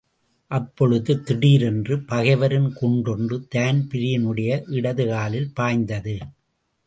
அப்பொழுது திடீரென்று பகைவரின் குண்டொன்று தான்பிரீனுடைய இடதுகாலில் பாய்ந்தது.